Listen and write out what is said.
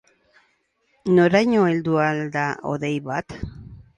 Noraino heldu ahal da hodei bat?